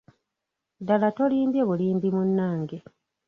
Ddala tolimbye bulimbi munnange.